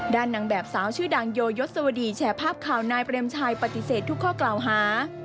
นางแบบสาวชื่อดังโยยศวดีแชร์ภาพข่าวนายเปรมชัยปฏิเสธทุกข้อกล่าวหา